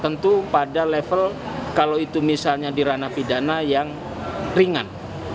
tentu pada level kalau itu misalnya di ranah pidana yang ringan